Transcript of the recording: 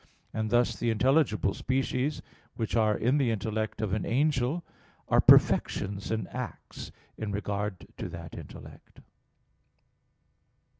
And thus the intelligible species which are in the intellect of an angel are perfections and acts in regard to that intellect.